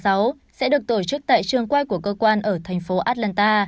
sẽ được tổ chức tại trường quay của cơ quan ở thành phố atlanta